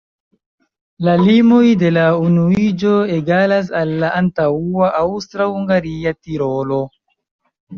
La limoj de la unuiĝo egalas al la antaŭa aŭstra-hungaria Tirolo.